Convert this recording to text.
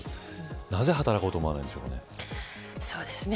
なぜ働こうと思わないんでしょうかね。